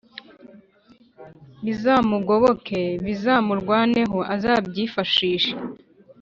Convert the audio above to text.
bizamugoboke: bizamurwaneho, azabyifashishe